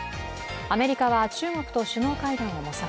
アメリカは中国と首脳会談を模索。